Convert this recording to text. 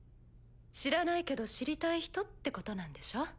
知らないけど知りたい人ってことなんでしょ？